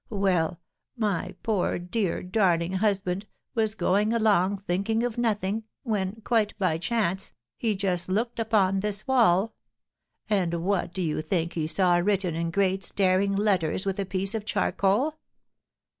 Well, my poor, dear, darling husband was going along thinking of nothing, when, quite by chance, he just looked upon this wall. And what do you think he saw written in great staring letters with a piece of charcoal?